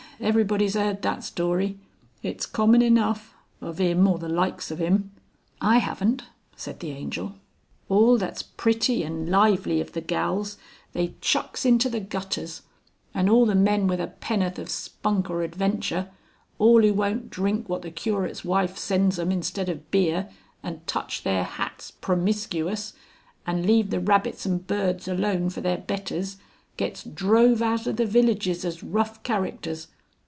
everybody's 'eard that story it's common enough, of 'im or the likes of 'im." "I haven't," said the Angel. "All that's pretty and lively of the gals they chucks into the gutters, and all the men with a pennorth of spunk or adventure, all who won't drink what the Curate's wife sends 'em instead of beer, and touch their hats promiscous, and leave the rabbits and birds alone for their betters, gets drove out of the villages as rough characters.